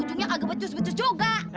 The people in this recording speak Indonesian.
ujungnya agak becus becus juga